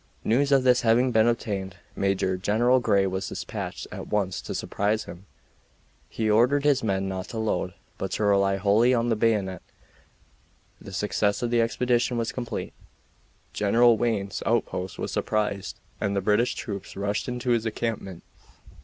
News of this having been obtained, Major General Grey was dispatched at once to surprise him; he ordered his men not to load, but to rely wholly on the bayonet. The success of the expedition was complete. General Wayne's outpost was surprised and the British troops rushed into his encampment.